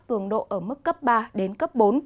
cường độ ở mức cấp ba đến cấp bốn